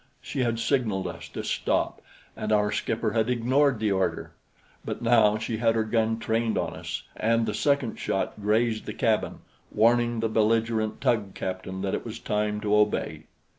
She had signaled us to stop, and our skipper had ignored the order; but now she had her gun trained on us, and the second shot grazed the cabin, warning the belligerent tug captain that it was time to obey.